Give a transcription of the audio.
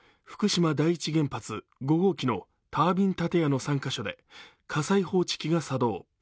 福島第一原発５号機のタービン建屋の３カ所で火災報知機が作動